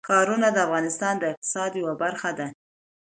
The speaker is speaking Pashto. ښارونه د افغانستان د اقتصاد یوه برخه ده.